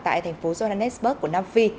tại thành phố jordan